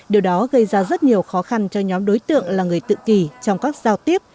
điều đó gây ra rất nhiều khó khăn cho nhóm đối tượng là người tự kỳ trong các giao tiếp